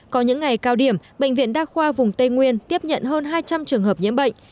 có những ngày cao điểm bệnh viện đa khoa vùng tây nguyên tiếp nhận hơn hai trăm linh trường hợp nhiễm bệnh